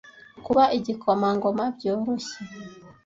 Kuba igikomangoma byoroshye.